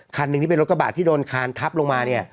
คันหนึ่งที่เป็นรถกระบาดที่โดนคานทับลงมาเนี่ย